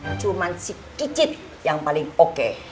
mau cariin si kicit yang paling oke